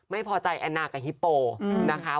ไม่พอใจแอนนากับฮิปโปนะคะ